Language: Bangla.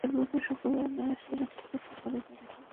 যে ব্রত সকলে অনায়াসেই রক্ষা করতে পারে তার উপরে শ্রদ্ধা থাকে না।